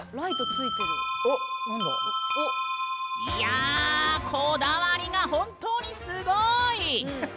いやこだわりが本当にすごい！